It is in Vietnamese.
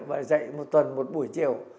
và dạy một tuần một buổi chiều